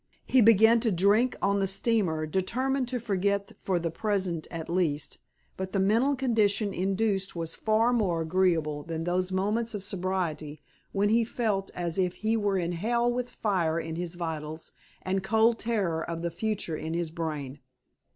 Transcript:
He began to drink on the steamer, determined to forget for the present, at least; but the mental condition induced was far more agreeable than those moments of sobriety when he felt as if he were in hell with fire in his vitals and cold terror of the future in his brain.